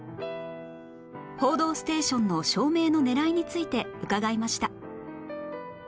『報道ステーション』の照明の狙いについて伺いました